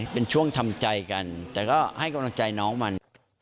เป็นช่วงทำใจกันแต่ก็ให้กำลังใจน้องมัน